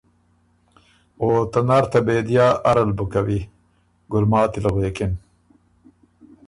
او ”ته نر ته بېدیا اره ل بُو کوی“ ګلماتی ل غوېکِن۔